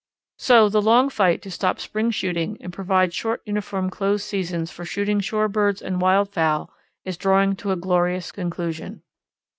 So the long fight to stop spring shooting and provide short uniform closed seasons for shooting shore birds and wild fowl is drawing to a glorious conclusion.